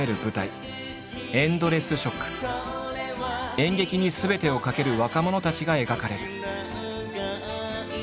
演劇にすべてを懸ける若者たちが描かれる。